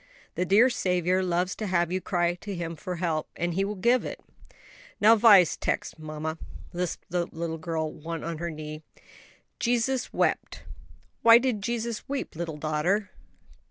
The dear Saviour loves to have you cry to Him for help, and He will give it." "Now Vi's tex', mamma," lisped the little one on her knee. "'Jesus wept.'" "Why did Jesus weep, little daughter?"